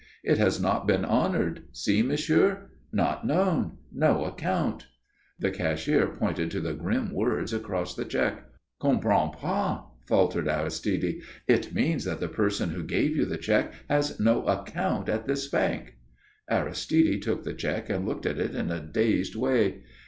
"It has not been honoured. See, monsieur. 'Not known. No account.'" The cashier pointed to the grim words across the cheque. "Comprends pas," faltered Aristide. "It means that the person who gave you the cheque has no account at this bank." Aristide took the cheque and looked at it in a dazed way.